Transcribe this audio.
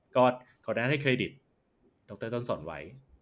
ก็ขออนุญาตให้เครดิตดรต้นศนไว้